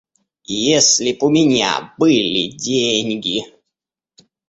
Если б у меня были деньги...